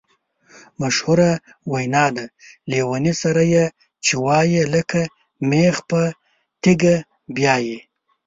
مشهوره وینا ده: لېوني سره یې چې وایې لکه مېخ په تیګه بیایې.